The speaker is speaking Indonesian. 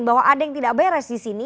bahwa ada yang tidak beres di sini